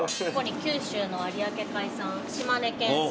九州の有明海産島根県産